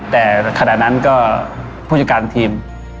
แต่ขณะนั้นก็ผู้จัดการทีม